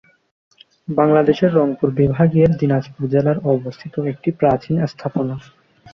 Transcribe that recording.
বাংলাদেশের রংপুর বিভাগের দিনাজপুর জেলার অবস্থিত একটি প্রাচীন স্থাপনা।